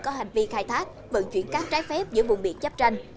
có hành vi khai thác vận chuyển các trái phép giữa vùng biển giáp ranh